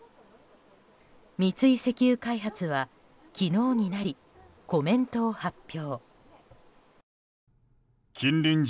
三井石油開発は昨日になりコメントを発表。